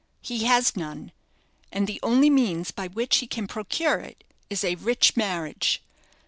He has none, and the only means by which he can procure it is a rich marriage.